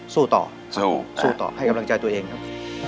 สู้ต่อให้กำลังใจตัวเองครับ